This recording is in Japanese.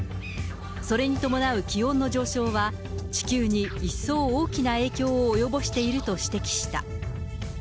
それに伴う気温の上昇は、地球に一層大きな影響を及ぼしていると指摘した。